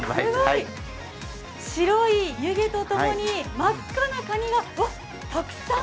白い湯気とともに真っ赤なかにがわっ、たくさん！